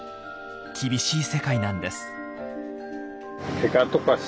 厳しい世界なんです。